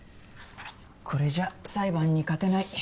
これじゃ裁判に勝てない。